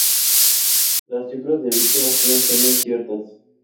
Las cifras de víctimas siguen siendo inciertas.